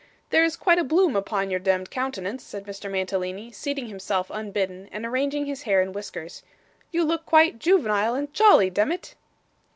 'There is quite a bloom upon your demd countenance,' said Mr. Mantalini, seating himself unbidden, and arranging his hair and whiskers. 'You look quite juvenile and jolly, demmit!